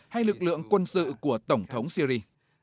hay lực lượng quân sự của tổng thống syri